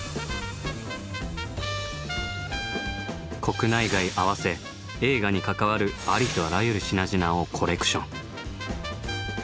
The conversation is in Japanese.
国内外合わせ映画に関わるありとあらゆる品々をコレクション。